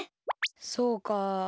そうか。